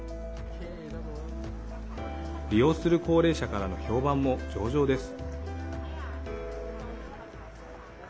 利用する高齢者からの評判も上々です。